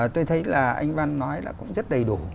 tôi thấy là anh văn nói là cũng rất đầy đủ